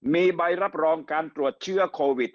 มีใบรับรองการตรวจเชื้อโควิด